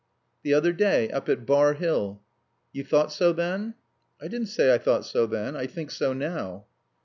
"The other day. Up at Bar Hill." "You thought so then?" "I didn't say I thought so then. I think so now."